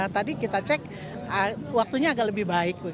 tadi kita cek waktunya agak lebih baik